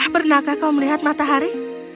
pernahkah kau melihat matahari